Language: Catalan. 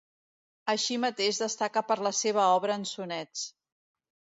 Així mateix destaca per la seva obra en sonets.